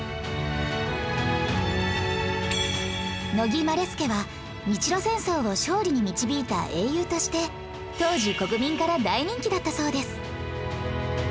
乃木希典は日露戦争を勝利に導いた英雄として当時国民から大人気だったそうです